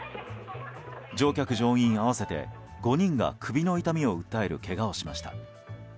乗客・乗員合わせて５人が首の痛みを訴えるけがをしました。